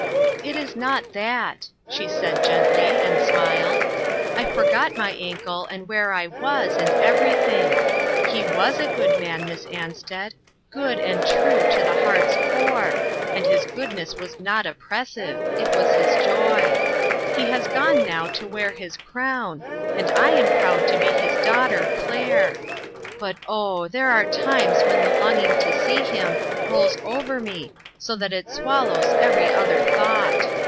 " It is not that," she said gently, and smiled. " I forgot my ankle, and where I was, and everything. He was a good man, Miss Ansted ; good and true to the heart's core, and his goodness was not oppressive, it was his joy. He has gone now to wear his crown, and I am proud to be his daughter Claire. But oh, there are times when the longing to see him rolls over me so that it swallows every other thought."